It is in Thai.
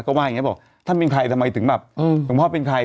ก็ว่าอย่างนี้บอกท่านเป็นใครทำไมถึงแบบหลวงพ่อเป็นใคร